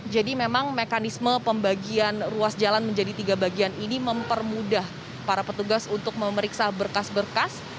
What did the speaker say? jadi memang mekanisme pembagian ruas jalan menjadi tiga bagian ini mempermudah para petugas untuk memeriksa berkas berkas